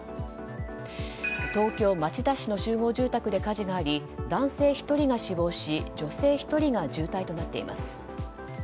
東京・町田市の集合住宅で火事があり男性１人が死亡し女性１人が重体となっています。